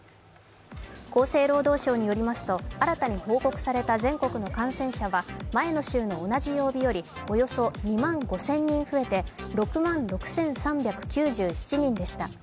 厚生労働省によりますと、新たに報告された全国の感染者は前の週の同じ曜日よりおよそ２万５０００人増えて６万６３９７人でした。